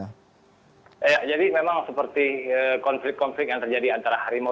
ya jadi memang seperti konflik konflik yang terjadi antara harimau